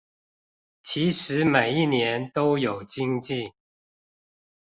其實每一年都有精進